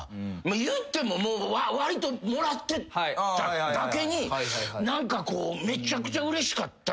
いってももうわりともらってただけに何かめちゃくちゃうれしかったのよ。